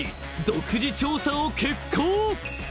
独自調査を決行！］